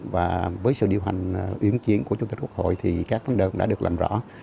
và với sự điều hành uyến chiến của chủ tịch quốc hội thì các vấn đề cũng đã được làm rõ